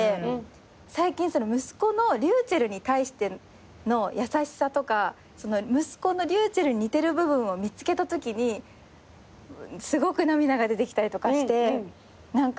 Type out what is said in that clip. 最近息子のｒｙｕｃｈｅｌｌに対しての優しさとか息子のｒｙｕｃｈｅｌｌに似てる部分を見つけたときにすごく涙が出てきたりとかして。